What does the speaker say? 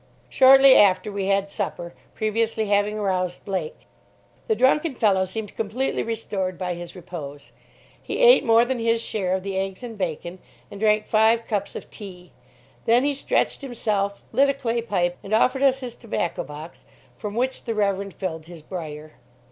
Shortly after we had supper, previously having aroused Blake. The drunken fellow seemed completely restored by his repose. He ate more than his share of the eggs and bacon, and drank five cups of tea. Then he stretched himself, lit a clay pipe, and offered us his tobacco box, from which the Reverend filled his briar.